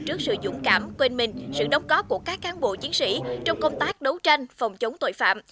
trước sự dũng cảm quên mình sự đóng góp của các cán bộ chiến sĩ trong công tác đấu tranh phòng chống tội phạm